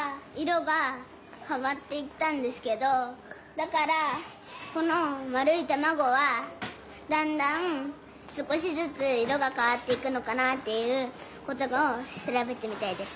だからこの丸いたまごはだんだん少しずつ色がかわっていくのかなっていうことを調べてみたいです。